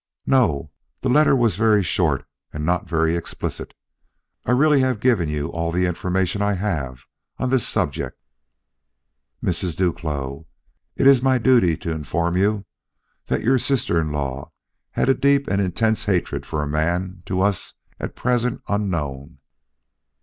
"No. The letter was very short and not very explicit. I really have given you all the information I have on this subject." "Mrs. Duclos, it is my duty to inform you that your sister in law had a deep and intense hatred for a man to us at present unknown.